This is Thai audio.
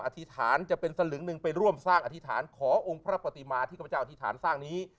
อธิษฐานจะเป็นสลึงหนึ่งไปร่วมสร้างอธิษฐานขอองค์พระปฏิมาที่ข้าพเจ้าอธิษฐานสร้างนี้